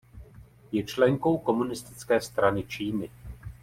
Je členkou Komunistické strany Číny.